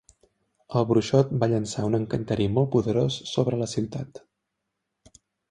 El bruixot va llançar un encanteri molt poderós sobre la ciutat.